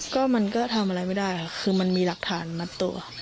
ก็มันก็ทำอะไรไม่ได้ค่ะคือมันมีหลักฐานมัดตัว